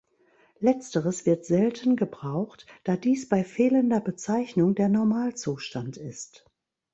Letzteres wird selten gebraucht, da dies bei fehlender Bezeichnung der Normalzustand ist.